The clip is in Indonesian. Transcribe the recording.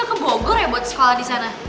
bukannya lo pindah ke bogor ya buat sekolah di sana